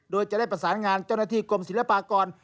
โดยจะได้ประสานงานเจ้าหน้าที่กรมศิลปากร